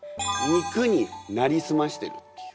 肉になりすましてるっていう。